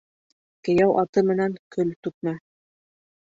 Кейәү аты менән көл түкмә.